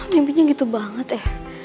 mimpinya gitu banget ya